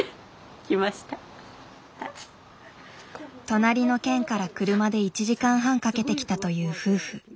隣の県から車で１時間半かけて来たという夫婦。